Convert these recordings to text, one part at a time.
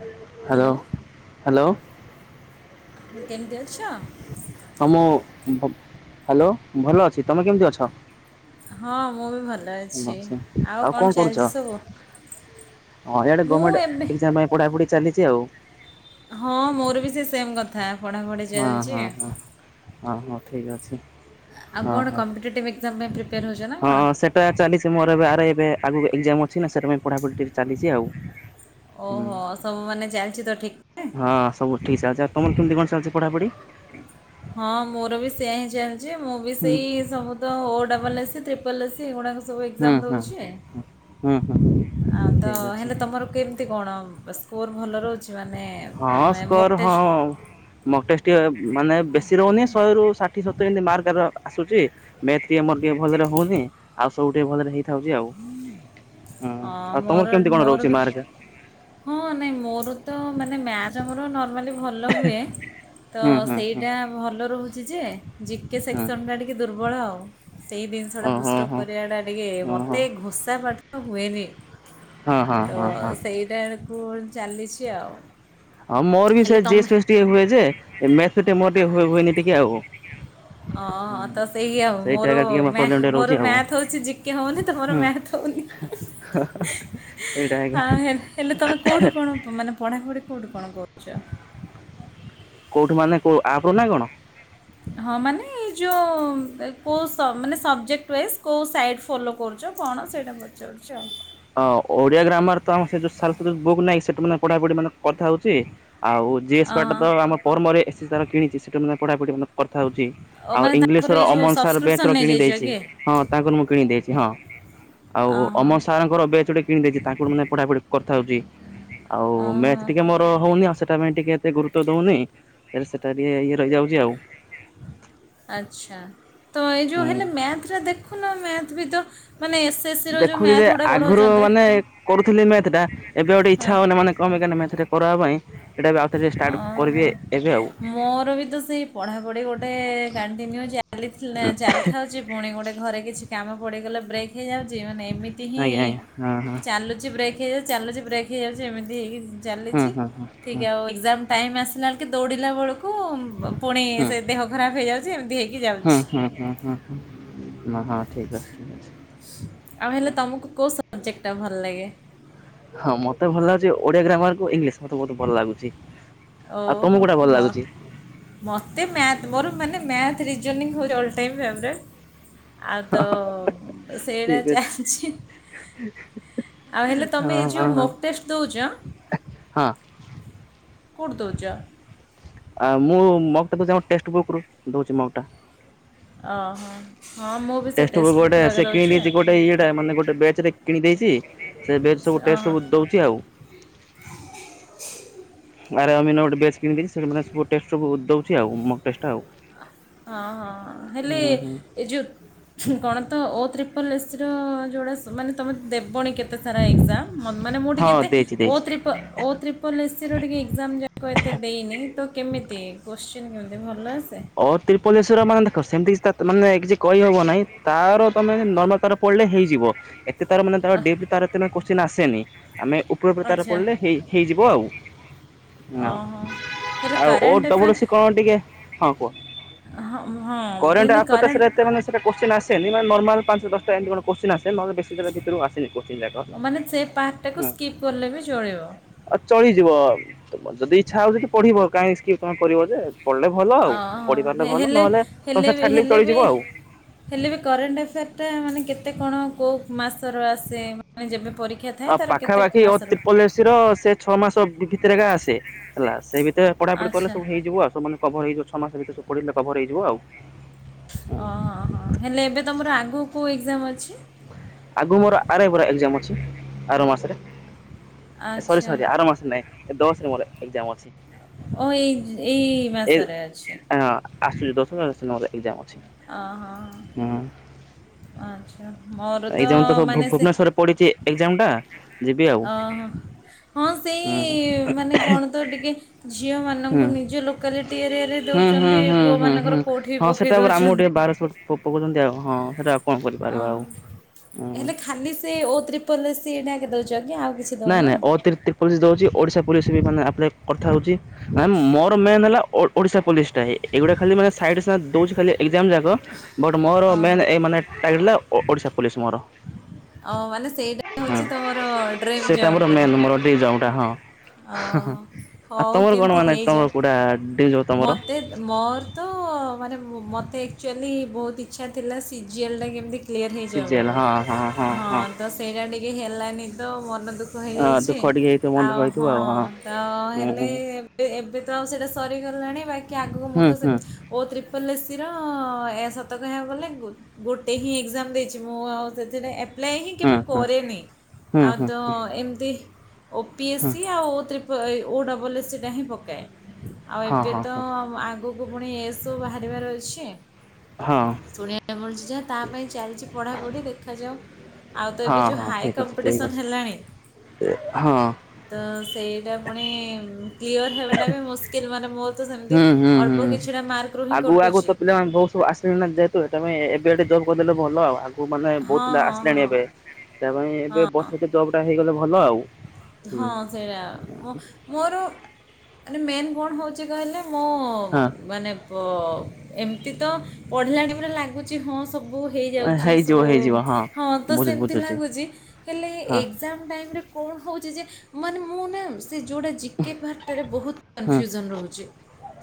Hello hello କେମିଟ ଅଛ। ହଁ ମୁଁ ହ୍ୟାଲୋ ଭଲ ଅଛି ତୁମେ କେମିତି ଅଛ? ହଁ ମୁଁ ବି ଭଲ ଅଛି ଆଉ କଣ ଚାଲିଛି ସବୁ? ହଁ ଏଆଡ଼େ ମୁଁ ଏବେ ଗଭର୍ଣ୍ମେଣ୍ଟ ଏକ୍ଜାମ ପାଇଁ ପଢାପଢି ଚାଲିଛି ଆଉ। ହଁ, ମୋର ବି ସେ ସେମ୍ କଥା ପଢାପଢ଼ି ଚାଲିଛି। ହ ହଁ ଠିକ ଅଛି। ଆଉ ହଁ କଣ ହଁ କମ୍ପଟିଭ ଏକଜାମ ପାଁଇ ପ୍ରି ହଁ ସେଟା ଚାଲିଛି ମୋର ଏବେ ଆ ଏବେ ଆଗ ଏଜାମ ଅଛି ନା ସେଟା ପଢାପଢି ଟିକ ଚାଲିଛି ଆଉ। ହୁଁ ଓହୋ ସବୁ ମାନେ ଚାଲିଛି ତ ଠିକ୍। ଠାକ୍? ହଁ ସବୁ ଠିକ୍ ଚାଲିଛି ଆଉ ତମର କେମତି କଣ ଚାଲିଛି ପଢା ପଢି? ହଁ ମୋର ବି ସେୟଆ ହିଁ ଚାଲିଛି ମୁଁ ବି ହୁଁ ସେଇ ସବୁ ତ ଓ ଡବଲ୍ ଏସି ଟ୍ରିପଲ୍ ଏସି ଏଗୁଡ଼ାକ ସବୁ ହୁଁ ଏକ୍ଜାମ ହୁଁ ଦେଉଛି ହୁଁ ହୁଁ ହୁଁ ଆଉ ତ ଠିକ୍ ଅଛି ହେଲେ ତମର କେମ ଏତି କଣ ସ୍କୋର ଭଲ ରହୁଛି ମାନେ ହଁ ମୋକ୍ ସ୍କୋର ହଁ ଟେଷ୍ଟ ମୋକ ଟେଷ୍ଟ୍ ଗୋଏ ମାନେ ବେଶୀ ରହୁନି ଶହେରୁ ଷାଠିଏ ସତୁରୀ ଏମିତି ମାର୍କର ଆସୁଛି ମ୍ୟାଥ୍ ଆମର ଟେ ଭଲରେ ହଉନି। ଆଉ ସବୁଠିକେ ଭଲରେ ହେଇଥାଉଛି ଆଉ। ହୁଁ, ହଁ ଆଉ ମୋର ତମର କେମିତି କଣ ମୋର ରହୁଛି ବି ମାର୍କ? ହଁ, ନାଇଁ ମୋର ତ ମାନେ ମ୍ୟାଥ ଆମର ନର୍ମାଲି ଭଲ ହୁଏ। ତ ହୁଁ ହୁଁ ହୁଁ ସେଇଟା ଭଲ ରହୁଛି ଯେ, ଜିକେ ହୁଁ ସେକ୍ସନ ଟିକେ ଟେ ଦୁର୍ବଳ ଆଉ। ସେଇ ଜିନିଷ ଓ ଟା ହୋ ପୁଷ୍ଟପ୍ ହୋ। କରିବା ଟା ଟିକେ ଓହୋ ମତେ ଘୋସାପାଠ ହୁଏନି। ହଁ ହଁ ତ ହଁ ହଁ। ସେଇଟା ବକୁ ଚାଲିଛି ଆଉ। ହଁ, ମୋର ବି ହେଲେ ସେ ଯି ତମେ ଏସ୍ ଟିକେ ହୁଏ, ଯେ ମ୍ୟାଥ୍ ଟିକେ ହୁଏନି ଟିକେ ଆଉ। ଟକି ଆ [unintelligible] ହଁ, ତ ସେଇ ଆଉ ସେଇଟା ମୋର ଏକା ଟିକେ ପ୍ରୋବ୍ଲେମ ଟିକେ ରହୁଛି ମୋର ଆଉ ମ୍ୟାଥ ହଉଛି ଜିକେ ହଉନି ତମର ହୁଁ ମ୍ୟାଥ ହଉନି। ସେଇଟା ହେ ଆ ହେଲେ କ ହେଲେ ତମେ କୋଉଠୁ କଣ [unintelligible] ମାନେ ପଢାପଢି କୋଉଠି କଣ କରୁଛ? କୋଉଠି ମାନେ କୋ ଆପରୁ ନା କଣ? ହୁଁ [unintelligible] ହଁ, ମାନେ ଯୋଉ ସବଜେକ୍ଟ ୱାଇଜ୍ କଉ ସାଇଟ୍ ଫଲୋ କରୁଛ? କଣ ସେଇଟା ପଚାରୁଛି ଆଉ? ଅଁ ଓଡିଆ ଗ୍ରାମର ତ ଆମ ସେ ଯ ସାରସ୍ଵ ବୁକ୍ ନାହିଁ ସେଠୁ ମାନେ ପଢାପଢି ମାନେ କଥା ହଉଛି ଆଉ। ଜିଏସ୍ ପାଟ ଅହଁ। ତ ଆମ ପରର୍ମରେ ଏସ୍ସି ତାର କିଣିଛି ସେଇଟ ମ ମଧ୍ୟ ପଢ଼ାପଢ଼ି କଥା ହେଉଛି। ଓ ଆଉ ମାନେ ତାଙ୍କର ଇଂଲିଶ ର ଏଇ ଯେଉଁ ଅମନ ସାର ସବସ୍କ୍ରିପସନ୍ ବ୍ୟାଚ ର କିଣି ନେଇଯାଇଛ ଦେଇଛି। କି ହଁ ତାଙ୍କର ମୁଁ କିଣି ଦେଇଛି ହଁ। ଆଉ ଅହ ଅମର ସାରଙ୍କ ବ୍ୟାଚ ଗୋଟେ କିଣିଦେଇଛି ତାଙ୍କଠୁ ମାନେ ପଢାପଢି କରିଥାଉଛି। ଆଉ ମେ ଅହ ଟିକେ ମୋର ହଉନି ଆଉ ସେଟା ପାଇଁ ଟିକେ ଏତେ ଗୁରୁତ୍ୱ ଦଉନି। ସେ ସେଟା ଟିକେ ଇଏ ରହିଯାଉଛି ଆଉ। ଆଛା, ତ ଏଇ ଯୋଉ ହୁଁ। ହେଲେ ମ୍ୟାଥଜା ଦେଖ୍ ନ ମ୍ୟାଥ୍ ଭି ତ ମାନେ ଏସ୍ ଦେଖୁଛି ଯେ ଆଗରୁ ମାନେ କରୁଥିଲି ମ୍ୟାଥ ଟା। ଏବେ ଗୋଟେ ଇଚ୍ଛା ହଁ ହଉନି ମାନେ କମାଇଁ କେଆଣି ମଥଟା କରିବା ପାଇଁ। ଏଇଟା ବି ଆଉଥରେ ଷ୍ଟାର୍ଟ ଓହୋ କରିବେ ଏବେ ଆଉ। ମୋର ବି ତ ସେଇ ପଢ଼ାପଢ଼ି ଗୋଟେ କାଣ୍ଟିନ୍ୟୁ ଚାଲିଥିଲା ଚାଲିଥାଉଛି। ପୁଣି ଗୁଟେ ଘରେ କିଛି କାମ ପଡିଗଲା ବ୍ରେକ୍ ହେଇଯାଉଛି। ମାନେ ଏମି ଏତି ହିଁ ଆଜ୍ଞା ଆଜ୍ଞା ହଁ ହଁ। ଚାଲୁଛି ବ୍ରେକ୍ ହେଇଯାଉଛି ଚାଲୁଛି ବ୍ରେକ୍ ହେଇଯାଉଛି ଏମିତି ହେଇକି ହୁଁ ଚାଲିଛି। ହୁଁ ହୁଁ ହୁଁ ଠିକ୍ ଆଉ ଏକ୍ଜାମ ଟାଇମ୍ ଆସିଲା ବେ ଦୌଡ଼ିଲା ବେଳକୁ ପୁଣି ହୁଁ ସେ ଦେହ ଖରାପ ହେଇଆଉ ଚି ଏମିତି ହେଇ ଯାଉ ହୁଁ- ହୁଁ- ହୁଁ- ହୁଁ- ହୁଁ- ହଁ-ହଁ ଠିକ୍ ଅଛି। ଆଉ ହେଲେ ତମକୁ କୋଉ ସବଜେକ୍ଟ ଟା ଭଲ ଲାଗେ? ହଁ, ମତେ ଭଲ ଲାଗୁଛି ଓଡିଆ ଗ୍ରାମାର କୁ ଇଂଲିଶ ମତେ ବହୁତ ଭଲ ଲାଗୁଛି। ଆଉ ତମକୁ ଓହୋ କୋଉଟା ଭଲ ବାଃ ଲାଗୁଛି? ମୋତେ ମ୍ୟାଥ୍ ମୋର ମାନେ math reasoning all time favourite. ଆଉ ତ ସେଇଟା ଠିକ୍ ଅଛି ଚାଲିଛି। [unintelligible] ଆଉ ହେଲେ ହଁ ତୁମେ ଏ ହଁ ଯୋଉ ହଁ। ମୋକ୍ ଟେଷ୍ଟ ଦଉଛ। ହଁ। କୁଡ଼ି ଦଉଛ। ଆଉ ମୁଁ ମୋଗ ତାକୁ ଯଣ ଟେକ୍ସଟ ବୁକ୍ ରୁ ଦଉଛି ମୋକ୍ ଟା। ଓହୋ ହଁ ମୁଁ ବି ସେ ଟେଷ୍ଟ ଟେକ୍ସଟ୍ ଗୋଟେ ବୁକ୍ରୁ ଆଗେ ସେ କିଣି ଦେଉଛି ଦେଇଛି ଗୋଟେ ଇଟା ମାନେ ଗୋଟେ ବ୍ୟାଚ ରେ କିଣି ଦେଇଛି। ସେ ବ୍ୟାଚ୍ ସବୁ ଆଉ ଟେଷ୍ଟ ଓହୋ ସବୁ ଦଉଛି ଆଉ। ଆରେ ଅମିନ ଗୋଟେ ବ୍ୟାଚ୍ କିଣି ଦେଇଚି। ସବୁ ଟେଷ୍ଟ ପେପର ରୁ ଦଉଛି ମୋକ୍ ଟେଷ୍ଟ ଆଉ। ହଁ ହଁ, ହେଲେ ହୁଁ ହୁଁ ଏ ଯେଉଁ କଣ ତ ଓ ତ୍ରିପଲ ଏସର ଜୋଡ଼ା ମାନେ ତୁମେ ଦବନି କେତେ? କେତେ ସାରା ଏକ୍ସାମ ମ ମାନେ ମୁଁ ହଁ ଟିକେ ଦେଇଛି ଓ ଦେଇଛି। ତ୍ରିପ ଓ ତ୍ରିପ ଲ ସ୍ସିର ଟିକେ ଏକ୍ଜାମ ଯାକ ଏତେ ଦେଇନି ତ କେମିତି କୋଶ୍ଚିନ୍ କେମିତି ଭଲ ଆସେ। ଓ ତ୍ରିପଲେଶ୍ୱର ମାନେ ଦେଖ ସେମିତି କିଛି ମାନେ କିଛି କହିହବ ନାହିଁ ତାର ତମେ ନର୍ମାଲ ତାର ପଢିଲେ ହେଇଯିବ ଏତେ ତାର ମାନେ ତାର ଅହ, ଡିପ୍ ତାର ଏତେ କୋଶ୍ଚିନ୍ ଆସେନି ଆମେ ପୁର ପ୍ରଚାର ଆଚ୍ଛା ପଡ଼ିଲେ ହେଇ ହେଇଯିବ ଆଉ। ହଁ ଓହୋ ହେଲେ ଆଉ ଓ କରେଣ୍ଟ ଆଫେୟାର୍ ଡବ୍ଲୁସି କଣ ଟିକେ ହଁ କୁହ ହଁ ହଁ କରେଟ ହେଲେ [unintelligible] କରେଣ୍ଟ ସେତେ ମାନେ ସେରା କୋଶ୍ଚନ୍ ଆସେନି ମାନେ ନର୍ମାଲ ପାଞ୍ଚ ଦଶଟା ଏମିତି କଣ କୋଶ୍ଚନ୍ ଆସେ ନହେଲେ ବେ ସୋ ଭିତରୁ ଆସିନି କୋଶ୍ଚିନ୍ ଜାଗ ମାନେ ସେ ପାର୍ଟଟାକୁ ହୁଁ। ସ୍କିପ୍ କଲେ ବି ଚଳିବ ଆଉ ଚଳିଯିବ ତ ଯଦି ଇଚ୍ଛା ହଉ ଯଦି ପଢିବ କାହିଁ ସ୍କିପ୍ କରିବ ଯେ ପଢିଲେ ଭଲ ଆଉ ଅଁ ପଢିପାରିଲେ ହେ- ଭଲ ହେଲେ ନହେଲେ ହେଲେ ତସାର ଛାଡିଲେ ବି ହେଲେ ଚଳିଯିବ ଆଉ। ହେଲେ ବି କରେଣ୍ଟଏଫେୟାର ଟା ମାନେ କେତେ କଣ କୋଉ ମାସର ଆସେ ମାନେ ଯେବେ ପରୀକ୍ଷା ଥାଏ ଆ ତା'ର କେତେ ପାଖାପାଖି ଓ ମାସର ତ୍ରିପଲ ଏଶୀ ର ସେ ଛଅ ମାସ ଭିତରେକା ଆସେ। ହେଲା ସେ ଭିତରେ ପଢାପଢି ଆଚ୍ଛା କରିଲେ ସବୁ ହେଇଯିବ ସମାନେ କଭର ହେଇଯିବ ଛ ମାସ ଭିତରେ ସବୁ ପଢିଲେ କଭର ହେଇଯିବ ଆଉ। ଓ ହଁ ହଁ ହେଲେ ଏବେ ତମର ଆଗକୁ କୋ ଏକ୍ଜାମ ଅଛି? ଆଗକୁ ମୋର ଆର ଏ ପ ର ଏକ୍ସାମ ଅଛି ଆର ମାସରେ। ସରି ଆଚ୍ଛା ସରି ଆର ମାସରେ ନାଇଁ ଦଶରେ ମୋର ଏକଜାମ ଅଛି। ଓ ଏଇ ଏଇ ମାସରେ ଅଛି। ଆସୁ ଦଶର ମୋର ଏକ୍ଜାମ ଅଛି। ହଁ ହଁ ହ ହୁଁ ଆଚ୍ଛା। ମୋର ତ ଏକ୍ଜାମ ସବୁ ଭୁ ମାନେ ସେ ଭୁବନେଶ୍ୱରରେ ପଡିଛି ଏକ୍ଜାମ ଟା ଯିବି ଆଉ ଅ ହଁ ହୁଁ ସେଇ ମାନେ କଣ ତ ଟିକେ ହୁଁ। ଝିଅମାନଙ୍କୁ ନିଜ ଲୋକ ସକା ଟିଆରିଆରେ ହୁଁ ହୁଁ ଦଉଛନ୍ତି ହୁଁ ପୁଅ ହୁଁ ମାନଙ୍କର କୋଉଠି ପକେଇ ଦଉଛନ୍ତି। ପ ପକଉଛନ୍ତି ଆଉ ହଁ ସେଇଟାଉ କଣ କରିପାରିବା ଆଉ। ହୁଁ। ହେଲେ ଖାଲି ସେ ଓ ତ୍ରିପଲରେ ସେଇଟା ଦଉ ଆଜ୍ଞା ଆଉ। କିଛି ନାଇଁ ଦଉନ? ନାଇଁ ଓ ତିରପୋଲ ପୋଲିସ ହଉଛି ଓଡିଶା ପୋଲିସ ବି ମାନେ ଆପ୍ କଥା ହଉଛି। ମ ମୋର ମେନ୍ ହେଲା ଓଡିଶା ପୋଲିସ ଟା ଏଇଗୁଟା ଖାଲି ମାନେ ସାଇ ଦଉଛି ଖାଲି ଏଜ ଯାକ ବଟ୍ ମୋର ମ ଓହୋ ମାନେ ଓଡିଶା ପୋଲିସ ମୋର। ଅ ମାନେ ସେଇଟା ହୁଁ ହଉଛି ତମର ସେଇଟା ମୋର ମେନ୍ ମୋର ଦ ଯାଉଉଟା ହଁ। ଆଉ ହଉ ତମର କଣ କେମିତି ମାନେ ହେଇଯା ତମର କୋଉଟା ଡିଉଟି ଯୋଉ ତମର? ମତେ ମୋର ତ ମାନେ ମୋତେ ଆକ୍ଚୁଆଲି ବହୁତ ଇଚ୍ଛା ଥିଲା ସିଜିଏଲଟା କେମିତି କ୍ଲିଅର୍ ହେଇଯିବ ସିଜଲ ବୋଲି ହଁ ହଁ ହଁ ହଁ। ତ ସେଇଟା ଟିକେ ହେଲାନି ତ ମନ ଦୁଃଖ। ଅ କହିଯାଇଛି ଦୁଃଖ ଟିକେ ହେଇଥିବ ମନ ଦୁଃଖ ଆଉ ହେଇଥିବ ହଁ ତ ହୁଁ ହେଲେ ହୁଁ ଏବେ ତ ଆଉ ସେଇଟା ସରିଗଲାଣି ବାକି ଆଗକୁ ମୁଁ ହୁଁ। ତ ସେ ହୁଁ ଓ ତ୍ରିପଲ୍ ଏସ୍ସିର ଏ ସତ କହିବାକୁ ଗଲେ ବହୁ ଗୋଟେ ହିଁ ଏକ୍ଜାମ ଦେଇଛି ମୁଁ ଆଉ ସେଟା ଆପ୍ଲାଏ ହିଁ ହୁଁ କେବେ ହୁଁ କରେନି ହୁଁ ହୁଁ ଆଉ ହୁଁ ତ ଏମିତି ଓ ପି ଏସ୍ ହୁଁ ସି ଆଉ ଓ୍ରିପ ଓ ଡବଲ୍ ଏସ୍ ସିଟା ହିଁ ପକାଏ। ଆଉ ହଁ ଏବେ ହଁ ତ ହଁ ଆଗକୁ ପୁଣି ଏସବୁ ବାହାରିବାର ଅଛି। ହଁ ଶୁଣିବା ପାଈଁ ମିଳୁଛି ଯାହା, ତା ପାଇଁ ଚାଲଚି ପଢାପଢି ଦେଖ ଦେଖାଯାଉ ଆଉ ତ ଏବେ ହଁ ଯୋଉଁ ହଁ ହାୟ ଠିକ ଅଛି ଠିକ କମ୍ପିଟିସନ୍ ଅଛି ହେଲାଣି। ହଁ ତ ସେଇଟା ପୁଣି କ୍ଲିଅର ହେବାଟା ବି ମୁସ୍କିଲ୍ ମାନେ ବହୁତ ହୁଁ ହୁଁ ହୁଁ ହିଁ ଆଗୁ ଆଗୁ କଟୁଛି। ତ ପିଲାମାନେ ବହୁତ ସବୁ ଆସିଲେଣି ନା ଯେ ତ ଏବେଠୁ ଜବ କରିଦେଲେ ଭଲ ଆଉ। କେଉଁ ମାନେ ହଁ ବହୁତଥିଲା ହଁ ହଁ ଆସିଲାଣି ଏବେ ତା ପାଇଁ ଏବେ ହଁ। ବର୍ଷତ ଜବ୍ଟା ହେଇଗଲେ ଭଲ ଆଉ। ହୁଁ ହଁ ସେଇଆ। ମୋର ମାନେ ମେନ୍ କଣ ହେଉଛି କହିଲେ ମୋ ହଁ। ମାନେ ଓ ଏମିତି ତ ପଢ଼ିଲାଣି ପ ଲାଗୁଛି ହଁ। ସବୁ ହେଇଯାଉଚି ହେଇଯିବ ସବୁ, ହେଇଯିବ ହଁ ତ ବୁଝୁଛି ସେମିତି ବୁଝୁଛି ଲାଗୁଚି ହେଲେ ହଁ ଏକ୍ସଜାମ୍ ଟାଇମ୍ ରେ କଣ ହୋଉଚି ଯେ, ମାନେ ମୁଁ ନାମ୍ ସେ ଯୋଉଟା ଜି ଜିକେ ପାର୍ଟରେ ବୋହୁତ୍ ହୁଁ। କନଫ୍ୟୁଜନ୍ ରୋହୁଛି,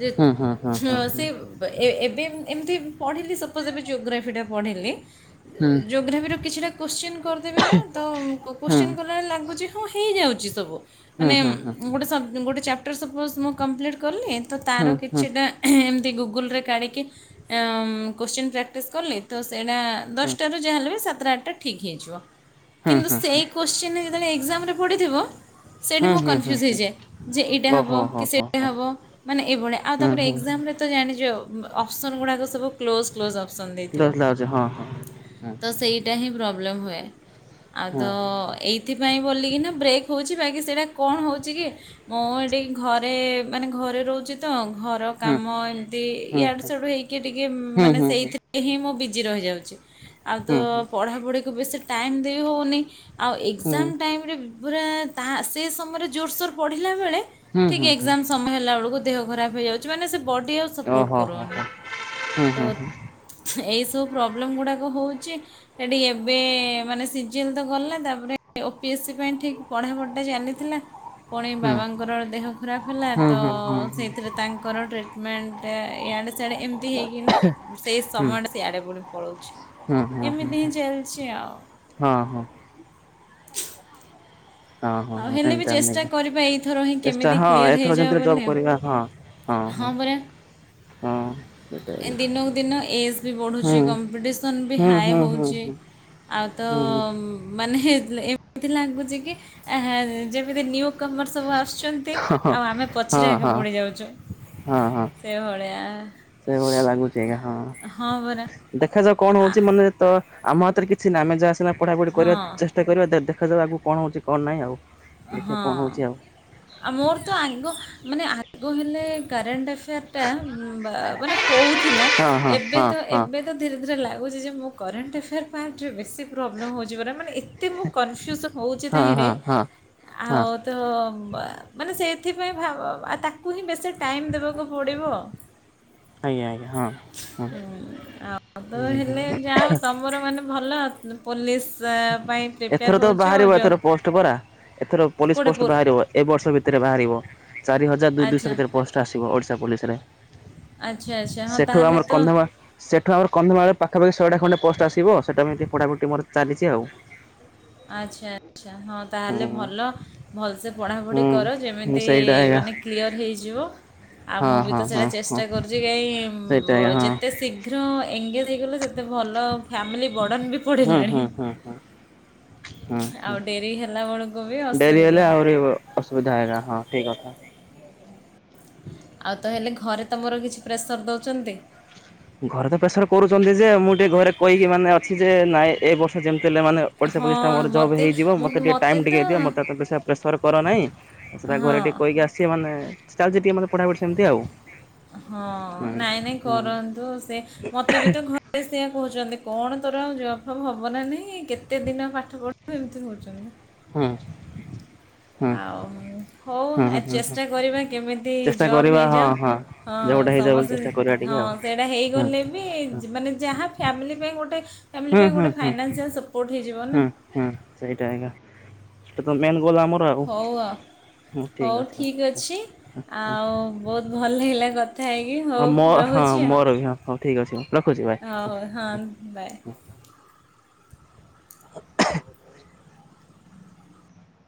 ଯେ ହୁଁ ହୁଁ ହୁଁ ହୁଁ ହୁଁ-ଅଁ-ସେ ବ-ଏ-ଏ-ଏବେ ମୁଁ ଏମିତି ପଢ଼ିଲି ସପୋଜ୍, ଏବେ ଜୋଗ୍ରାଫିଟା ପଢ଼ିଲି ହୁଁ ଏ-ଏ-ଜୋଗ୍ରାଫିର କିଛିଟା କୋଶ୍ଚେନ୍ କରିଦେବି ନା, ତ କୋ ହୁଁ କୋଶ୍ଚେନ୍ କଲା ବେଳେ ଲାଗ ଗୁଜି ହଁ ହେଇଯାଉଚି ସବୁ, ହୁଁ ହୁଁ ମାନେ-ଉଁ-ଗୋଟେ ସବ୍-ଉଁ-ଗୋଟେ ଚ୍ୟପଟର୍ ସପୋଜ୍ ମୁଁ କମ୍ପ୍ଲିଟ କଲି ତ ହୁଁ ହୁଁ ତାରୁ ହୁଁ ହୁଁ। କିଛିଟା ହେଁ-ଏମିତି ଗୁଗୁଲ୍ ରେ କାଢ଼ିକି-ଏ-ଅଁ-କୋଶ୍ଚେନ୍ ପ୍ୟକେଜ କଲେ ତ ସେଇଟା ଦଶ୍ଟାରୁ ଯାହା ହେଲେ ବି ସାତଟା ଆଠଟା ଠିକ୍ ହେଇଯିବ, ହୁଁ ହୁଁ କିନ୍ତୁ ହୁଁ ସେଇ କୋଶ୍ଚେନ୍ ଯେତେବେଳେ ଏକ୍ଜାମ୍ ରେ ପଡ଼ିିଥିବ ସେଇଟି ହୁଁ ମୁଁ ହୁଁ କନଫ୍ୟୁ୍ଜ ହୁଁ ହୁଁ ହେଇଯାଏ। ଯେ ଏଇଟା ହବ, ଓହୋ ହୋ କି ହୋ ସେଟା ହୋ ହବ ମାନେ ଏଭଳିଆ, ଆଉ ହୁଁ ତାପରେ ହୁଁ। ଏକ୍ଜାମ୍ ରେ। ତ ଜାଣିଚ ଆଉ, ଅପ୍ସନ୍ ଗୁଡ଼ାକ ସବୁ କ୍ଲୋଜ୍, କ୍ଲୋଜ୍ ଅପ୍ସନ୍ ଦେଇଥିବ। ଦଶ ଲାଗୁଛି ହଁ ହଁ ତ ସେଇଟା ହିଁ ପ୍ରବ୍ଲେମ୍ ହୁଏ ଆଉ ହଁ ତ ଏ। ଏଥିପାଇଁ ବୋଲିକିନା ବ୍ରେକ୍ ହୋଉଛି ବାକି ସେଇଟା କଣ ହୋଉଛି କି? ମୁଁ ଏଟି ଘରେ ମାନେ ଘରେ ରୋହୁଛି ତ ଘର। ହଁ କାମ ଏମିତି ହଁ ହଁ ଇଆଡୁ ହଁ। ସିଆଡୁ ହେଇକି ଟିକେ ହୁଁ ମାନେ ହୁଁ ହୁଁ ସେଇଥି। ଏହି ମୁଁ ବିଜି ରହିଯାଉଚି ଆଉ ତ ହୁଁ ହୁଁ ପଢ଼ାପଢ଼ିକୁ ବେଶୀ। ଟାଇମ୍ ଦେଇ ହୋଉନେଇଁ ଆଉ ହୁଁ ଏକ୍ଜାମ୍ ଟାଇମ୍। ଗୋଟେ ବୁରା ତାହା ସେ ସମୟରେ ଜୋରସୋର୍ ପଢ଼ିଲା ବେଳେ ହୁଁ ଠିକ ହୁଁ ହୁଁ ଏକ୍ଜାମ୍। ସମୟ ହେଲା ବେଳୁକୁ ଦେହ ଖରାପ ହେଇଯାଉଛି ମାନେ ସେ ବଡ଼ି ଆଉ ସପୋର୍ଟ ଓହୋ ହୋ ହୋ। କରୁନେଇଁ ହୁଁ ତ। ହୁଁ ହୁଁ ଏଇସବୁ ପ୍ରବ୍ଲେମ୍ ଗୁଡ଼ାକ ହୋଉଚି। ସେଠି ଏବେମାନେ ସିଜିନ୍ ତ ଗଲା ତାପରେ। ଓପିଏସି ପାଇଁ ଠିକ୍ ପଢ଼ାପଢ଼ି ଟା ଚାଲିଥିଲା। ପୁଣି ହୁଁ ବାବାଙ୍କର ଦେହ ଖରାପ୍ ହେଲା, ହୁଁ ହୁଁ ହୁଁ ହୁଁ। ତ-ଅ-ସେଇଥିରେ। ତାଙ୍କର ଟ୍ରିଟମେଣ୍ଟ ଇଆଡେ। ସିଆଡେ ଏମିତି ହେଇକି ନା ସେଇ ସମୟ ହୁଁ ସିଆଡେ ପୁଣି ପଳୋଉଚି। ହୁଁ ହୁଁ ଏମିତି ହିଁ ହୁଁ ଚାଲିଛି ଆଉ। ହଁ ହଁ। ହଁ ହଁ ଆଉ ହଁ ହେଲେ ବି ଏମିତି ଆମେ ଚେଷ୍ଟା କରିବା ଏଇଥର ହିଁ ଚେଷ୍ଟା କେମିତି ହଁ କ୍ଲିଅର ଏଥର ହେଇଯାଅ ଯେମିତିରେ ଜବ୍ ବୋଲି କରିବା ହଁ ଆଉ। ହଁ ପରା। ହଁ। ଏଁ ଦିନକୁ ଦିନ ଏଜ୍ ବି ହୁଁ ବଢୁଚି କମ୍ପିଟିସନ୍ ବି ହୁଁ ହାଏ ହୁଁ ହୁଁ ହୁଁ ହୋଉଚି। ହୁଁ ଆଉ ତ ହଁ ହଁ। ଉମ୍। ମାନେ ହେ ଏମିତି ଲାଗୁଚି କିଏ ହେ ଯେମିତି ନିୁକମର୍ସ ସବୁ ଆସୁଚି। ଚନ୍ତି ଆଉ ଆମେ ହଁ ପଛରେ ଏକା ହଁ ପଡ଼ିଯାଉଛୁ ସେଇଭଳିଆ। ସେଇ ଭଳିଆ ଲାଗୁଛି ଆଜ୍ଞା, ହଁ ଦେଖାଯାଉ କଣ ହୋଉଛି ମନେ। ତ ଆମ ହାତରେ କିଛିନା ଆମେ ଯାହା ସିନା ପଢାପଢି କରିବା ହଁ ଚେଷ୍ଟା କରିବା ଦେ ଦେଖାଯାଉ ଆଗୁକୁ କଣ ହୋଉଚି କଣ ନାଇଁ ଆଉ। ଦେଖିବା ହଁ କଣ ହଉଛି ଆଉ ଆ ମୋର ତ ଆଗ ମାନେ ଆଗ ହେଲେ କରେଣ୍ଟ ଏଫେୟାର୍। ଟା ବାଆ ମାନେ ହୋଉ ଥିଲା ହଁ ହଁ ଏବେ ହଁ ତ ହଁ ଏବେ। ତ ଧୀରେ ଧୀରେ ଲାଗୁଛି ଯେ, ମୁଁ କରେଣ୍ଟ ଏଫେୟାର୍ ପାର୍ଟରେ ବେଶୀ। ପ୍ରୋବ୍ଲେମ୍ ହୋଉଚି ପରା ମାନେ ଏତେ ମୁଁ କନଫ୍ୟୁଜନ୍ ହୋଉଚି ହଁ ତାହିଁରେ ହଁ ହଁ। ହଁ ଆଉ। ତ ମା ମାନେ ସେଇଥିପାଇଁ ଭା - ଭା -ତାକୁ ହିଁ ବେଶୀ ଟାଇମ୍ ଦେବାକୁ ପଡ଼ିବ। ଆଜ୍ଞା ଆଜ୍ଞା ହଁ। ହଁ ହୁଁ ଆଉ ତ ହେଲେ ଯାଅ ତମର ମାନେ ଭଲ ପୋଲିସ। ପାଇଁ ପ୍ରିପେୟାର୍ ହୋଉଚ ଆଉ ଜ। ଥୁପରା ଏଥର ପୋଲିସ ପୋଷ୍ଟ ବାହାରିବ ଏବର୍ଷ ଭିତରେ ବାହାରିବ ଚାରି ହଜାର ଦୁଇ ଦୁଇଶହ ଆଚ୍ଛା କେତେରେ ପୋଷ୍ଟ। ଠୁ ଆସିବ ଓଡିଶା ପୋଲିସ ରେ, ଆଚ୍ଛା ଆଚ୍ଛା ହଁ ସେଠୁ ତାହେଲେ ଆମର ତ କନ୍ଧମାଳ। ସେଠୁ ଆମର କନ୍ଧମାଳରେ ପାଖାପାଖି ଶଏଟା ଖଣ୍ଡେ ପୋଷ୍ଟ ଆସିବ ସେଇଟା ଏମିତି ପଢାପଢି ଟିକେ ମୋର ଚାଲିଛି ଆଉ। ଆଚ୍ଛା ଆଚ୍ଛା ହଁ ତାହେଲେ ଭଲ ହୁଁ ଭଲସେ ପଢ଼ାପଢ଼ି କର ହୁଁ ଯେମିତି ସେଇଟା ଆଜ୍ଞା। ମାନେ। କ୍ଲିୟର୍ ହେଇଯିବ ଆଉ ହଁ ମୁଁ ବି ହଁ ତ ସେଇଟା ହଁ ହଁ ଚେଷ୍ଟା କରୁଛି କାଇଁ ସେଇଟା ବ ହଁ ଯେତେ ଶୀଘ୍। ଶୀଘ୍ର ଏଙ୍ଗେଜ୍ ହେଇଗଲେ ସେତେ ଭଲ ଫ୍ୟାମିଲି ବର୍ଡ଼ନ୍ ବି। ହୁଁ ପଡ଼ିଲାଣି ହୁଁ ହୁଁ ହୁଁ। ହୁଁ ହୁଁ ଆଉ ଡେରି ହେଲା ବେଳକୁ ବି ଡେରି ହେଲେ ଅସୁବିଧା ଆହୁରି ଅସୁବିଧା ହେଗା ହଁ ଠିକ କଥା। ଆଉ ତ ହେଲେ ଘରେତମର କିଛି ପ୍ରେସର ଦେଉଛନ୍ତି। ଘରେ ତ ପ୍ରେସର କରୁଛନ୍ତି ଯେ ମୁଁ ଟିକେ ଘରେ କହିକି ମାନେ ଅଛି ଯେ ନାଇଁ ଏ ବର୍ଷ। ଯେିମିତି ହେଲେ ମାନେ ଓଡ଼ିଶା ହଁ ପୋଲିସଟା ମୋର ଜବ୍ ମୋତେ ହୋଇଯିବ ମୋ ମୁଁ ଟିକେ ମୋତେ ଟାଇମ୍ ତ ଟିକେ ଦିଅ ମୋତେ ତ ଏତେ। ପ୍ରେସର୍ କର ନାହିଁ ସେଇଟା ଘରେ ଟିକେ ହଁ କହିକି ଆସିଚି ମାନେ ଚାଲିଚି ଟିକେ ପଢ଼ା ପଢ଼ି ସେମିତି ଆଉ। ହଁ ହୁଁ। ନାଇଁ ନାଇଁ ହୁଁ କରନ୍ତୁ ସେ ମତେ ବି ତ ଘରେ ସେଆ କହୁଛନ୍ତି। କଣ ତୋର ଆଉ ଜବଫବ ହବନା ନାହିଁ କେତେ ଦିନ ପାଠ ପଢିବୁ ଏମିତି କୋହୁଚନ୍ତି। ହଁ। ଆଉ। ହଉ ଆ ହୁଁ ହୁଁ ଚେଷ୍ଟା କରିବା କେମିତି ଚେଷ୍ଟା ଜବ କରିବା ହଁ ହେଇଯାଉ ହଁ। ହ ଜବ୍ ହଁ ଟା ହେଇଯାଉ ବୋଲି ସମସ୍ତେ ଚେଷ୍ଟା କରିବା ଟିକେ ହଁ ଆଉ ସେଇଟା ହୁଁ ହେଇଗଲେ। ଵି ମାନେ ଯାହା ଫ୍ୟାମିଲି ପାଇଁ ଗୋଟେ ଫ୍ୟାମିଲି ହୁଁ ପାଇଁ ଗୋଟେ ଫାଇନାନ୍ସିଆଲ୍ ସପୋର୍ଟ ହେଇଯିବ ନା। ହଁ ସେଇଟା ଆଜ୍ଞା ସେଇଟା ତ ମେନ୍ ଗୋଲ ଆମର। ଆଉ। ହଉ ହଁ ଆଉ ହଉ ଅଛି ଆଉ। ଠିକ୍ ଅଛି ହଁ ଆଉ ବହୁତ୍ ଭଲ ଲାଗିଲା କ୍ କଥା ହୋଇକି ହଁ ମୋ ହଉ ହଁ ରହୁଚି ଆ ମୋର ବି ହଁ ହଉ ଠିକ୍ ଅଛି ହଉ ରଖୁଛି ବାଏ। ହଉଉ ହଁ ବାଏ।